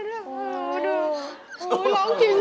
โหร้องจริง